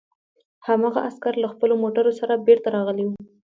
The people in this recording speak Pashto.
هماغه عسکر له خپلو موټرو سره بېرته راغلي وو